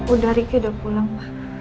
udah riki udah pulang ma